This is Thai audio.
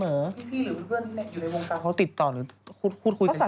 พี่หรือเพื่อนอยู่ในวงการเขาติดต่อหรือพูดคุยกันอยู่